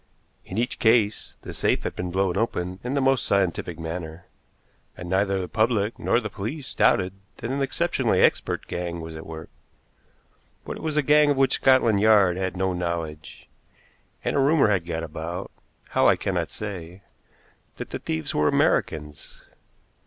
In each case the safe had been blown open in the most scientific manner, and neither the public nor the police doubted that an exceptionally expert gang was at work; but it was a gang of which Scotland Yard had no knowledge, and a rumor had got about how, I cannot say that the thieves were Americans.